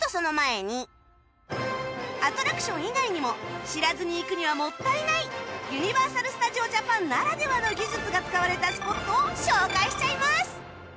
アトラクション以外にも知らずに行くにはもったいないユニバーサル・スタジオ・ジャパンならではの技術が使われたスポットを紹介しちゃいます！